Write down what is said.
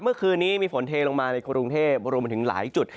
เมื่อคืนนี้มีฝนเทลงมาในกรุงเทพรวมมาถึงหลายจุด